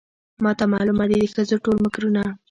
ماته معلومه دي د ښځو ټول مکرونه